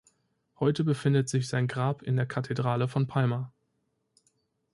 Heute befindet sich sein Grab in der Kathedrale von Palma.